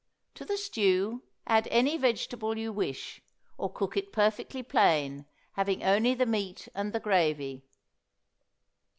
To the stew add any vegetable you wish, or cook it perfectly plain, having only the meat and the gravy.